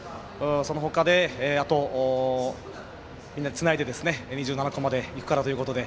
その他であとはみんなでつないで２７個まで行くからということで。